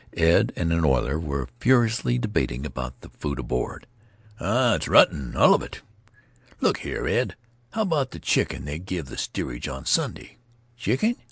Ed and an oiler were furiously debating about the food aboard: "Aw, it's rotten, all of it." "Look here, Ed, how about the chicken they give the steerage on Sunday?" "Chicken?